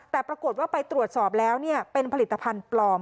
แต่ปรากฏว่าไปตรวจสอบแล้วเป็นผลิตภัณฑ์ปลอม